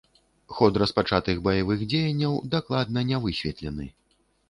Ход распачатых баявых дзеянняў дакладна не высветлены.